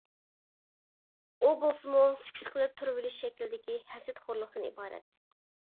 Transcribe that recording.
ئۇ بولسىمۇ، سۈكۈت قىلىپ تۇرۇۋېلىش شەكلىدىكى ھەسەتخورلۇقتىن ئىبارەت.